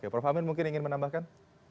prof amin mungkin ingin menambahkan